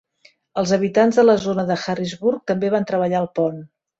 Els habitants de la zona de Harrisburg també van treballar al pont.